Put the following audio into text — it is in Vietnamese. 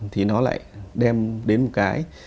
thì nó lại đem đến một cái